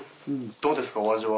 どうですかお味は？